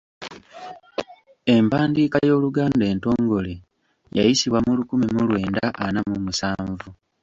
Empandiika y’Oluganda entongole yayisibwa mu lukumi mu lwenda ana mu musanvu.